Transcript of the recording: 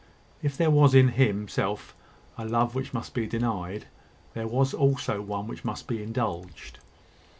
If there was in himself a love which must be denied, there was also one which might be indulged.